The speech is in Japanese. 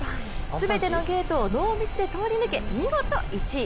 全てのゲートをノーミスで通り抜け見事１位。